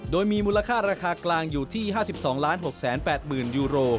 โดยมีมูลค่าราคากลางอยู่ที่๕๒๖๘๐๐๐ยูโร